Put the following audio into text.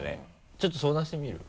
ちょっと相談してみれば。